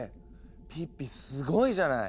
ピッピすごいじゃない。